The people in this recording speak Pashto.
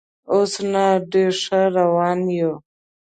اوس نه، ډېر ښه روان یو.